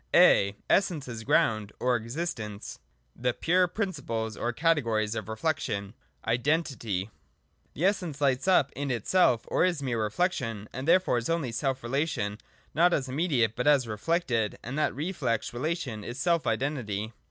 A. — Essence as Ground of Existence. (fl) The pure principles or categories of Reflection. (a) Identity. 115.] The Essence lights up in itself ot is mere reflec tion : and therefore is only self relation, not as imme diate but as reflected. And that reflex relation is self Identity.